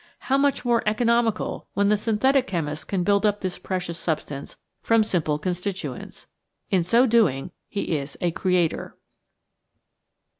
How much more economical when the synthetic chemist can build up this precious substance from simple constituents! In so doing he is a creator.